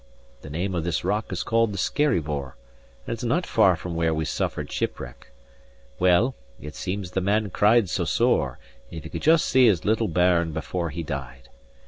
The name of this rock is called the Skerryvore, and it's not far from where we suffered ship wreck. Well, it seems the man cried so sore, if he could just see his little bairn before he died!